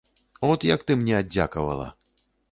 От як ты мне аддзякавала.